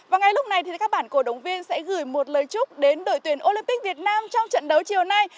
và ngay lúc này thì các bản cổ động viên sẽ gửi một lời chúc đến đội tuyển olympic việt nam trong trận đấu chiều nay